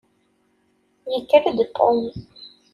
Yekker-d Tom.